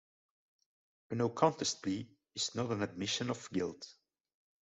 A 'no contest' plea is not an admission of guilt.